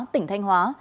tỉnh thanh hóa